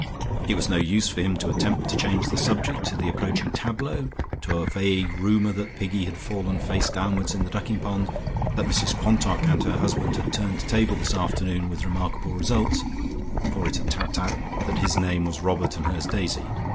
It was no use for him to attempt to change the subject to the approaching tableaux, to a vague rumour that Piggy had fallen face downwards in the ducking pond, that Mrs Quantock and her husband had turned a table this afternoon with remarkable results, for it had tapped out that his name was Robert and hers Daisy.